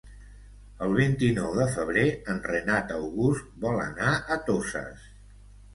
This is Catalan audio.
El vint-i-nou de febrer en Renat August vol anar a Toses.